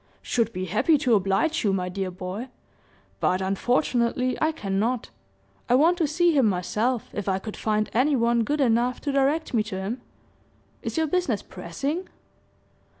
"Should be happy to oblige you, my dear boy, but, unfortunately, I cannot. I want to see him myself, if I could find any one good enough to direct me to him. Is your business pressing?"